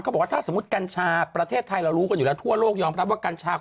เขาบอกถ้าฉรึทย์กรรชาประเทศไทยเรารู้ว่าอยู่ทั่วโลกยอมครับว่ากรรชากัน